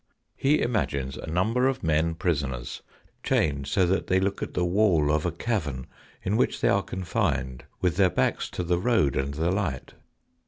He imagines a number of men prisoners, chained so that they look at the wall of a cavern in which they are confined, with their backs to the road and the light.